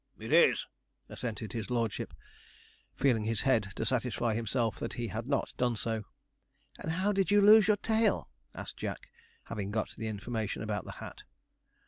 'It is,' assented his lordship, feeling his head to satisfy himself that he had not done so. 'And how did you lose your tail?' asked Jack, having got the information about the hat.